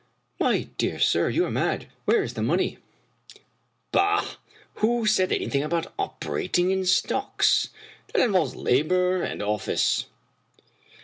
My dear sir, you are mad. Where is the money ?"" Bah ! who said anything about operating in stocks ? That involves labor and an office.